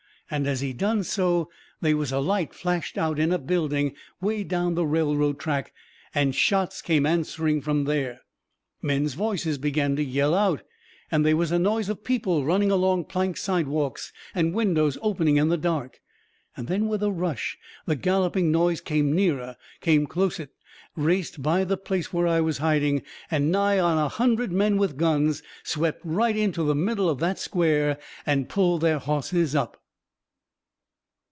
And as he done so they was a light flashed out in a building way down the railroad track, and shots come answering from there. Men's voices began to yell out; they was the noise of people running along plank sidewalks, and windows opening in the dark. Then with a rush the galloping noise come nearer, come closet; raced by the place where I was hiding, and nigh a hundred men with guns swept right into the middle of that square and pulled their hosses up.